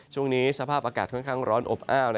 ช่วงนี้สภาพอากาศค่อนข้างร้อนอบอ้าว